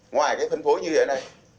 ngoài cái phân phối như thế này